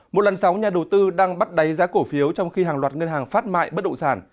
một lần sáu nhà đầu tư đang bắt đáy giá cổ phiếu trong khi hàng loạt ngân hàng phát mại bất động sản